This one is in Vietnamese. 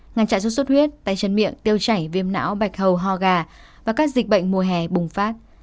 ngăn chặn xuất xuất huyết tay chân miệng tiêu chảy viêm não bạch hầu ho gà và các dịch bệnh mùa hè bùng phát